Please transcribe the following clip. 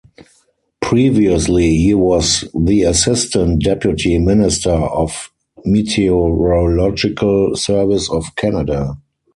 Previously he was the Assistant Deputy Minister of Meteorological Service of Canada.